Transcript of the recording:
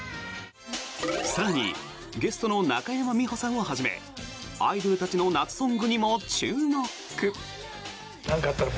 更にゲストの中山美穂さんをはじめアイドルたちの夏ソングにも注目！